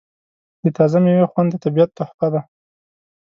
د تازه میوې خوند د طبیعت تحفه ده.